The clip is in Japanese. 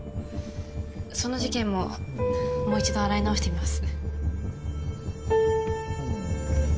その事件ももう一度洗い直してみます。